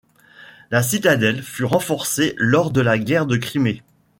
La citadelle fut renforcée lors de la guerre de Crimée.